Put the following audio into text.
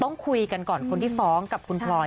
ต้องคุยกันก่อนคนที่ฟ้องกับคุณพลอย